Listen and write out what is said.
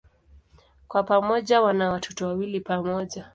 Kwa pamoja wana watoto wawili pamoja.